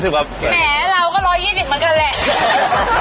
แหมเราก็๑๒๐เหมือนกันแหละ